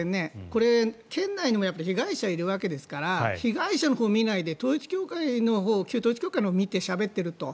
これ、県内にも被害者がいるわけですから被害者のほうを見ないで旧統一教会のほうを見てしゃべっていると。